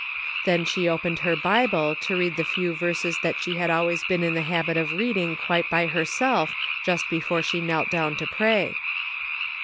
'* Then she opened her Bible to read the few verses that she had always been in the habit of reading quite by herself just before she knelt down to pray.